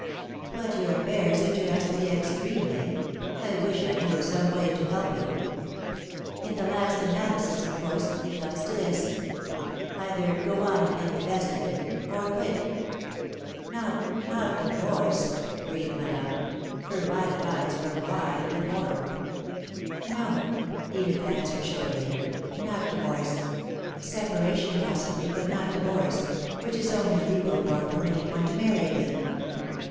"But your affairs interest me extremely, I wish I knew of some way to help you." "In the last analysis, of course, it comes to this either go on and make the best of it, or quit." [Sidenote: The Marriage Vow] "Not not divorce," breathed Madame. Her violet eyes were wide with horror. "No," Edith answered, shortly, "not divorce. Separation, possibly, but not divorce, which is only a legal form permitting one to marry again.